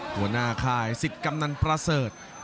หัวหน้าค่ายสิทธิ์กำนันประเสริฐ